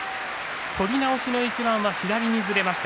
取り直しの一番は左にずれました。